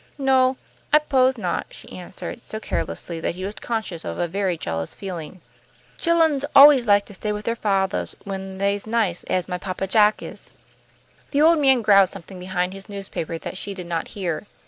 "No, I 'pose not," she answered, so carelessly that he was conscious of a very jealous feeling. "Chilluns always like to stay with their fathahs when they's nice as my Papa Jack is." The old man growled something behind his newspaper that she did not hear.